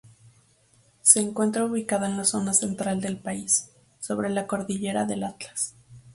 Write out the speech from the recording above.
Se encuentra ubicada en la zona central del país, sobre la cordillera del Atlas.